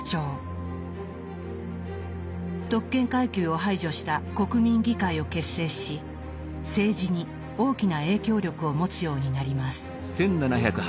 特権階級を排除した国民議会を結成し政治に大きな影響力を持つようになります。